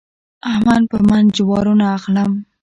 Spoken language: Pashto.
احمد په من جوارو نه اخلم.